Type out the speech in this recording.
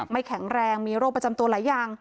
แข็งแรงมีโรคประจำตัวหลายอย่าง